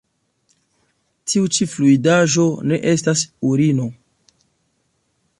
Tiu ĉi fluidaĵo ne estas urino.